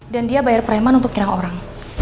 dan dia bayar preman untuk nyerang orang